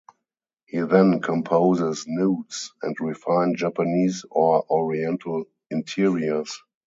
He then composes nudes and refined Japanese or oriental interiors.